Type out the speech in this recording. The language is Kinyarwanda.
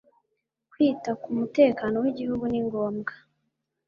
kwita ku mutekano w’igihugu ni ngombwa